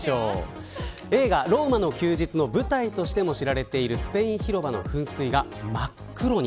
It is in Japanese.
映画ローマの休日の舞台としても知られているスペイン広場の噴水が真っ黒に。